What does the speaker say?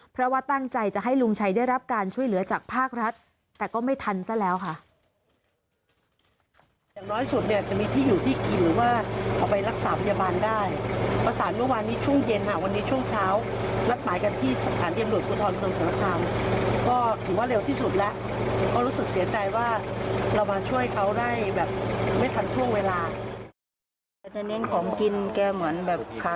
เพราะว่าตั้งใจจะให้ลุงชัยได้รับการช่วยเหลือจากภาครัฐแต่ก็ไม่ทันซะแล้วค่ะ